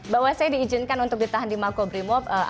bahwa saya diizinkan untuk ditahan di mako brimob